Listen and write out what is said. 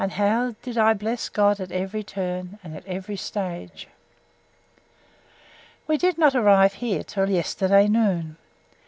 And how did I bless God at every turn, and at every stage! We did not arrive here till yesterday noon.